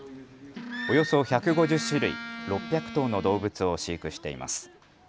およそ１５０種類、６００頭の動物を飼育しています。